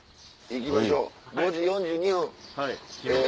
行きましょう。